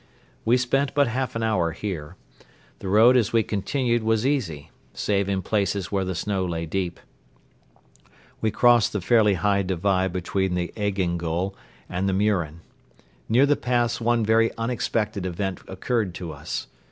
We spent but half an hour here. The road as we continued was easy, save in places where the snow lay deep. We crossed the fairly high divide between the Egingol and Muren. Near the pass one very unexpected event occurred to us.